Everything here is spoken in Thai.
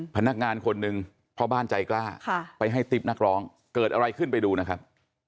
พนักงานคนหนึ่งพ่อบ้านใจกล้าไปให้ติ๊บนักร้องเกิดอะไรขึ้นไปดูนะครับ